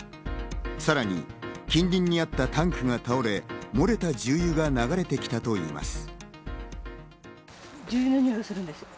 さらに、近隣にあったタンクが倒れ、漏れた重油が流れてきたといいます。